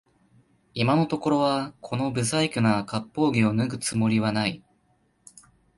今のところはこの不細工な割烹着を脱ぐつもりはない